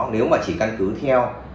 nếu mà chỉ căn cứ theo